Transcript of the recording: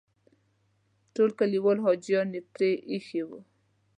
ټول کلیوال حاجیان یې پرې ایښي وو.